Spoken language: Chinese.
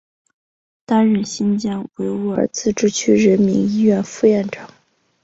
担任新疆维吾尔自治区人民医院副院长。